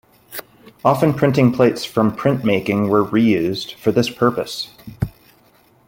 Often printing plates from printmaking were reused for this purpose.